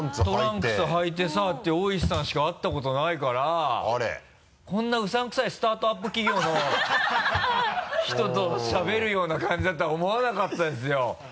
トランクスはいてさっていう大石さんしか会ったことないからこんなうさんくさいスタートアップ企業の人としゃべるような感じだとは思わなかったですよ。